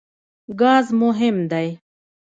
ګاز مهم دی.